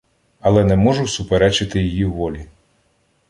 Але не можу суперечити її волі.